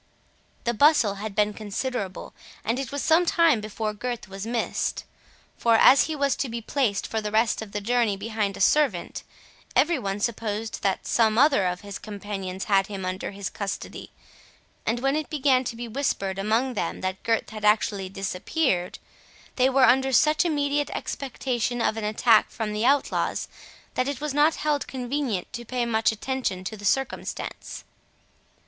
The bustle had been considerable, and it was some time before Gurth was missed; for, as he was to be placed for the rest of the journey behind a servant, every one supposed that some other of his companions had him under his custody, and when it began to be whispered among them that Gurth had actually disappeared, they were under such immediate expectation of an attack from the outlaws, that it was not held convenient to pay much attention to the circumstance.